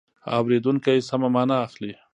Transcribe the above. اورېدونکی سمه مانا اخلي.